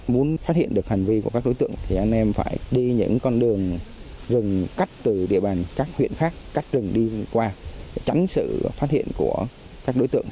muốn phát hiện được hành vi của các đối tượng thì anh em phải đi những con đường rừng cắt từ địa bàn các huyện khác cắt rừng đi qua tránh sự phát hiện của các đối tượng